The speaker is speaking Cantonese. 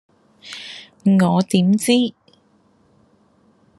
我點知